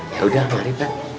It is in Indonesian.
yaudah mari pak